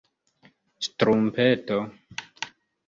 ŝtrumpeto